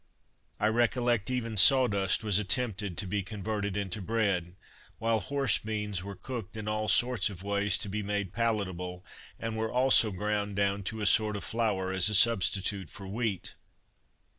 I recollect even "saw dust" was attempted to be converted into bread, while horse beans were cooked in all sorts of ways to be made palatable, and were also ground down to a sort of flour as a substitute for wheat.